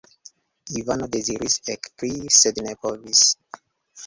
Ivano deziris ekkrii, sed ne povis.